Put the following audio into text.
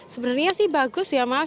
sebenarnya sih bagus ya mas